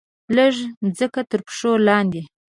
لږه مځکه ترپښو لاندې